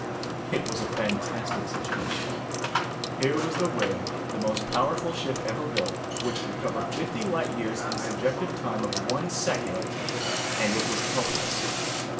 "It was a fantastic situation. Here was the Whale, the most powerful ship ever built, which could cover fifty light years in a subjective time of one second, and it was helpless.